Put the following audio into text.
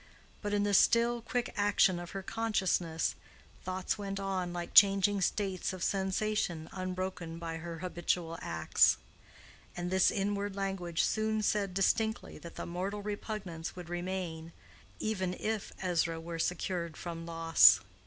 But in the still, quick action of her consciousness, thoughts went on like changing states of sensation unbroken by her habitual acts; and this inward language soon said distinctly that the mortal repugnance would remain even if Ezra were secured from loss.